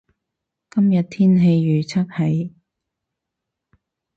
今日天氣預測係